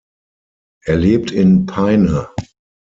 Er lebt in Peine.